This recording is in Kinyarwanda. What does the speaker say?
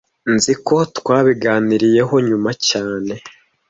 Nzi ko twabiganiriyeho nyuma cyane